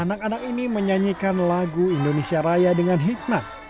anak anak ini menyanyikan lagu indonesia raya dengan hikmat